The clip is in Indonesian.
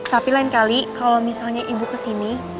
tapi lain kali kalau misalnya ibu kesini